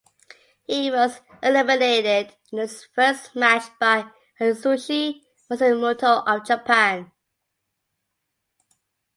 He was eliminated in his first match by Atsushi Matsumoto of Japan.